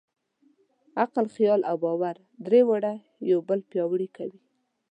عقل، خیال او باور؛ درې واړه یو بل پیاوړي کوي.